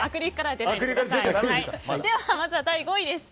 まずは第５位です。